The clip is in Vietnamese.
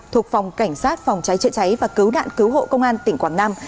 thuộc phòng cảnh sát phòng cháy trựa cháy và cứu đạn cứu hộ công an tỉnh quảng nam